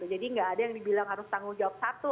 jadi tidak ada yang dibilang harus tanggung jawab satu